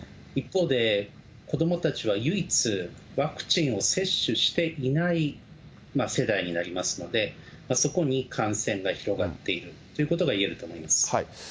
一方で、子どもたちは唯一、ワクチンを接種していない世代になりますので、そこに感染が広がっているということが言えると思います。